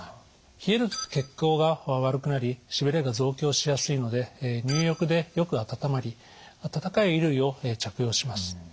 冷えると血行が悪くなりしびれが増強しやすいので入浴でよく温まりあたたかい衣類を着用します。